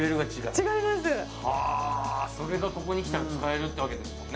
違いますはあそれがここに来たら使えるってわけですもんね